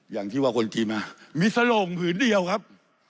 อย่างที่ว่าคนขี่มามีสโหลงผืนเดียวครับ